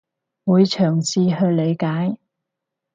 會嘗試去理解